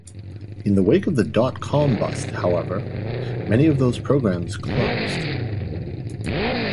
In the wake of the dot-com bust, however, many of those programs closed.